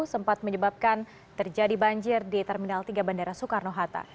sempat menyebabkan terjadi banjir di terminal tiga bandara soekarno hatta